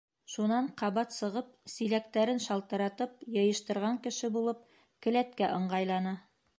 Шунан ҡабат сығып, силәктәрен шалтыратып йыйыштырған кеше булып, келәткә ыңғайланы.